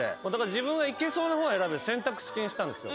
自分がいけそうな方を選ぶ選択式にしたんですよ。